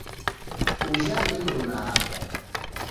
Ujha ni mruna apa.